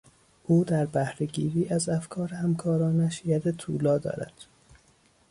او در بهرهگیری از افکار همکارانش ید طولا دارد.